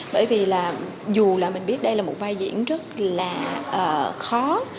bởi vì là dù là mình biết đây là một vai diễn rất là khó